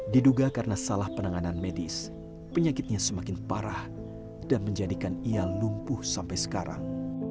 diduga karena salah penanganan medis penyakitnya semakin parah dan menjadikan ia lumpuh sampai sekarang